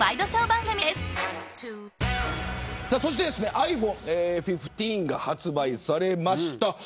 ｉＰｈｏｎｅ１５が発売されました。